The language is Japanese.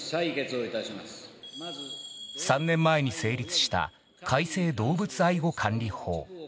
３年前に成立した改正動物愛護管理法。